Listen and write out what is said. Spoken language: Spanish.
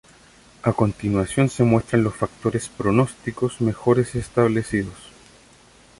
A continuación se muestran los factores pronósticos mejor establecidos.